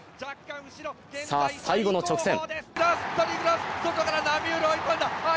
さあ、最後の直線。